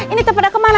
ini tepeda kemana